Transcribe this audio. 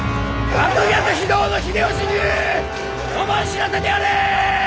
悪逆非道の秀吉に思い知らせてやれ！